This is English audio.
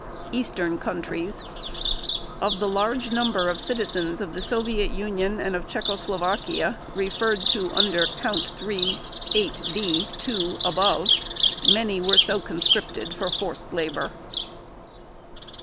Eastern Countries: Of the large number of citizens of the Soviet Union and of Czechoslovakia referred to under Count Three VIII (B) 2 above many were so conscripted for forced labor.